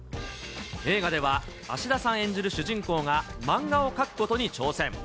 映画では、芦田さん演じる主人公が漫画を描くことに挑戦。